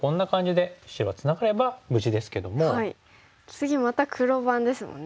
次また黒番ですもんね。